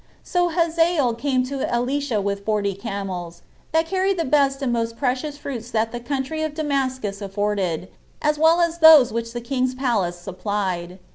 So Hazael came to Elisha with forty camels, that carried the best and most precious fruits that the country of Damascus afforded, as well as those which the king's palace supplied.